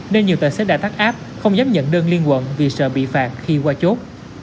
nên nhiều tài xế đã tắt áp không dám nhận đơn liên quận vì sợ bị phạt khi qua chốt